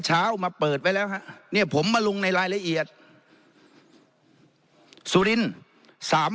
เช้ามาเปิดไว้แล้วฮะเนี่ยผมมาลงในรายละเอียดสุรินทร์